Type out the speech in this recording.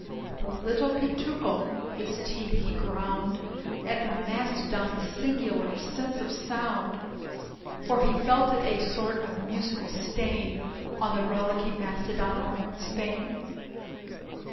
The Little Peetookle, his teeth he ground At the Mastodon's singular sense of sound; For he felt it a sort of a musical stain On the Rollicking Mastodon over in Spain.